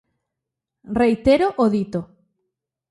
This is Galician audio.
Reitero o dito.